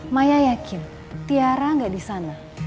maya yakin tiara gak di sana